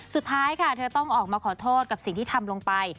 สุดท้ายค่ะเธอต้องออกมาขอโทษกับสิ่งที่ทำลงไป